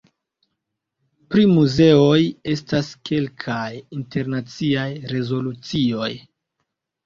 Pri muzeoj estas kelkaj internaciaj rezolucioj.